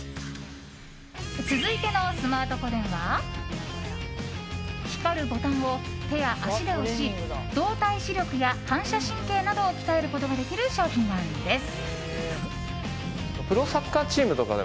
続いてのスマート個電は光るボタンを手や足で押し動体視力や反射神経などを鍛えることができる商品なんです。